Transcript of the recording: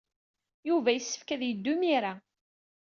Yuba yessefk ad yeddu imir-a.